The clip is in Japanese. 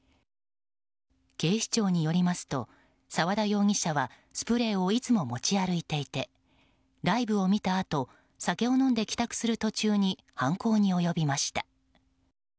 警視庁によりますと沢田容疑者はスプレーをいつも持ち歩いていてライブを見たあと酒を飲んで帰宅する途中に犯行に及びました。